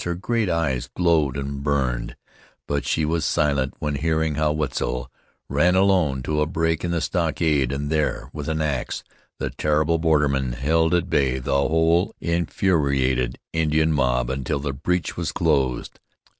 Her great eyes glowed and burned, but she was silent, when hearing how Wetzel ran alone to a break in the stockade, and there, with an ax, the terrible borderman held at bay the whole infuriated Indian mob until the breach was closed.